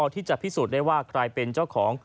ที่จะพิสูจน์ได้ว่าใครเป็นเจ้าของ